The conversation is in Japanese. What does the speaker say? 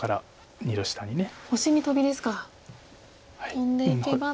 トンでいけばと。